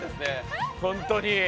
本当に。